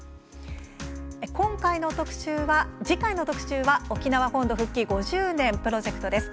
次回の特集は「沖縄本土復帰５０年」プロジェクトです。